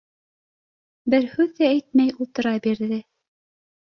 Бер һүҙ ҙә әйтмәй ултыра бирҙе.